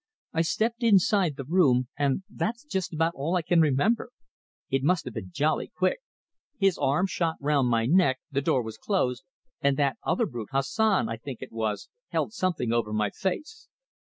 I stepped inside the room, and that's just about all I can remember. It must have been jolly quick. His arm shot round my neck, the door was closed, and that other brute Hassan, I think it was held something over my face."